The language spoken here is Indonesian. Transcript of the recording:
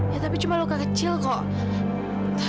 ya tapi cuma luka kecil kok